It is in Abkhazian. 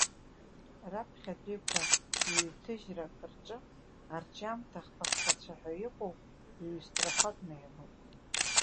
Раԥхьатәиқәа ҩ-ҭыжьрак рҿы арҿиамҭа хԥахԥа цәаҳәа иҟоу ҩ-строфакны иануп.